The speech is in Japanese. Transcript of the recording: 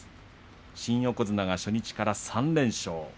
新横綱が初日から３連勝。